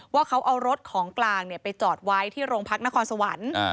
ว่าเขาเอารถของกลางไปจอดไว้ที่โรงพักนครสวรรค์